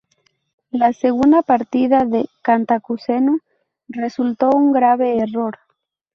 La segunda partida de Cantacuzeno resultó un grave error.